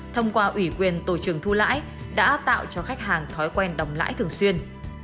thông qua ủy quyền tổ trưởng thu lãi đã tạo cho khách hàng thói quen đồng lãi thường xuyên